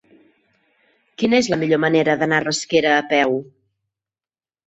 Quina és la millor manera d'anar a Rasquera a peu?